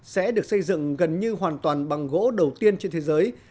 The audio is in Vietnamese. sẽ được xây dựng gần như hoàn toàn bằng gỗ đầu tiên trên thế giới